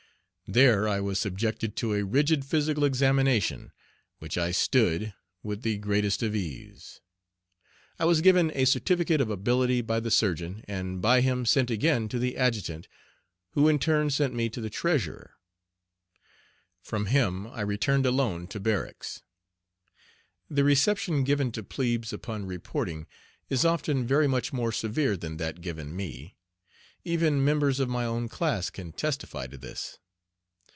There I was subjected to a rigid physical examination, which I "stood" with the greatest ease. I was given a certificate of ability by the surgeon, and by him sent again to the adjutant, who in turn sent me to the treasurer. From him I returned alone to barracks. The reception given to "plebes" upon reporting is often very much more severe than that given me. Even members of my own class can testify to this.